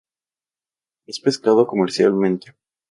Es pescado comercialmente.